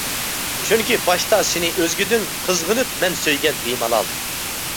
چۈنكى باشتا سېنى ئۆزگىدىن، قىزغىنىپ مەن سۆيگەن بىمالال.